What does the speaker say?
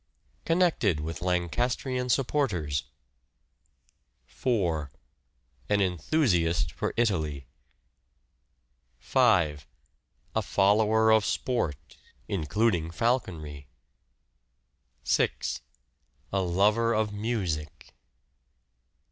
Connected with Lancastrian supporters. 4. An enthusiast for Italy. 5. A follower of sport (including falconry). 6. A lover of music.